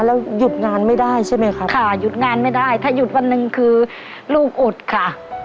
แล้วหยุดงานไม่ได้ใช่ไหมครับค่ะหยุดงานไม่ได้ถ้าหยุดวันหนึ่งคือลูกอดค่ะ